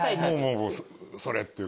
もうそれっていう。